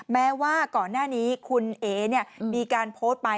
แม้ว่าก่อนหน้านี้คุณเอ๋มีการโพสต์ไป